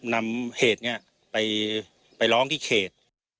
นำเหตุนี้ไปร้องที่เขต